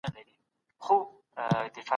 ديني کتابونه په پښتو دي.